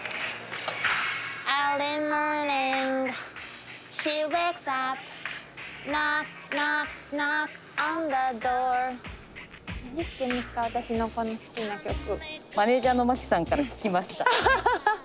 マネージャーの牧さんから聞きました。